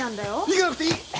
行かなくていい！